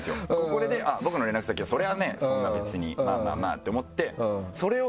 これで「僕の連絡先はそりゃねそんな別にまぁまぁまぁ」って思ってそれを。